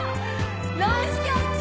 ナイスキャッチ！